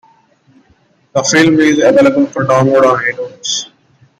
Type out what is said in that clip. The film is available for download on iTunes.